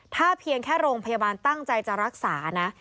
ถ้าเพียงแค่โรงพยาบาลตั้งใจจะรักษานะ